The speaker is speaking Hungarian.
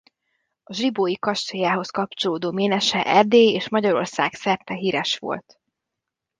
A zsibói kastélyához kapcsolódó ménese Erdély- és Magyarország-szerte híres volt.